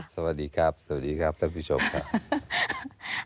สวัสดีครับสวัสดีครับท่านผู้ชมครับ